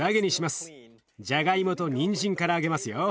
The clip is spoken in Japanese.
じゃがいもとにんじんから揚げますよ。